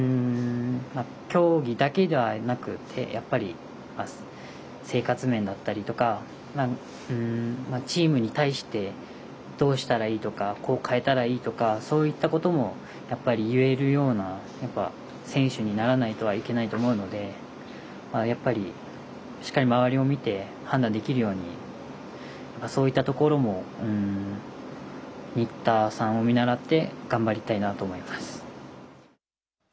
競技だけではなくて生活面だったりとかチームに対してどうしたらいいとかこう変えたらいいとかそういったこともやっぱり言えるような選手にならないといけないと思うのでやっぱりしっかり周りを見て判断できるようにそういったところも新田さんを見習って頑張りたいなと思います。